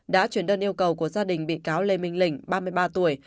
đã chuyển đơn yêu cầu của gia đình bị cáo lê minh lĩnh ba mươi ba tuổi